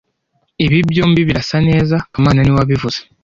Ibi byombi birasa neza kamana niwe wabivuze